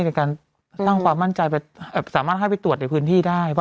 ในการสร้างความมั่นใจไปสามารถให้ไปตรวจในพื้นที่ได้ป่